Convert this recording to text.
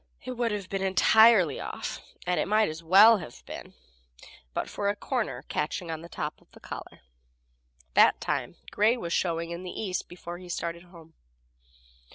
It would have been entirely off and it might as well have been but for a corner catching on the top of the collar. That time gray was showing in the east before he started for home.